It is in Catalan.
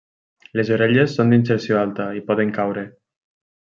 Les orelles són d'inserció alta i poden caure.